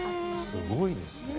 すごいですね。